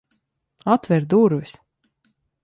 Atver durvis!